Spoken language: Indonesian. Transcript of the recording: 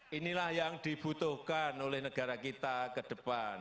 hai inilah yang dibutuhkan oleh negara kita kedepan